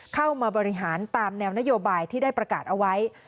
เข้ามาบริหารตามแนวนโยบายที่ได้ประกาศเอาไว้